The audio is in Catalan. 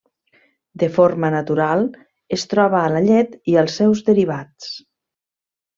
De forma natural es troba a la llet i als seus derivats.